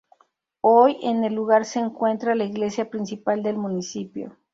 Hoy, en el lugar se encuentra la iglesia principal del municipio.